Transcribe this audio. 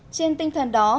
trên tinh thần đó